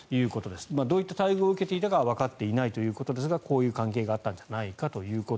どういった待遇を受けていたかはわからないですがこういった関係があったのではないかと。